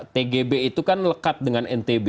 tgb itu kan lekat dengan ntb